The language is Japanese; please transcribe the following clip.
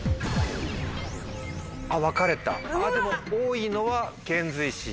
あっ分かれたでも多いのは遣隋使。